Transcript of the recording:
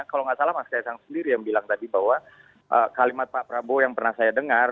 kalau nggak salah mas kaisang sendiri yang bilang tadi bahwa kalimat pak prabowo yang pernah saya dengar